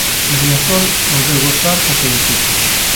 E Riazor volveu gozar co seu equipo.